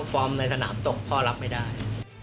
ฟอร์มในสนามตกพ่อรับไม่ได้